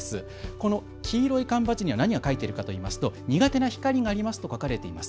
この黄色い缶バッジには何が書いてあるかといいますと苦手な光がありますと書かれています。